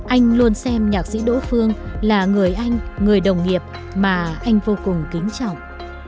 anh luôn xem nhạc sĩ đỗ phương là người anh người đồng nghiệp mà anh vô cùng kính trọng